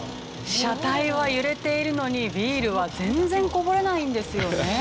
車体は揺れているのにビールは全然こぼれないんですよね。